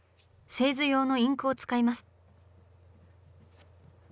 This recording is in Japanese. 製図用のインクを使います。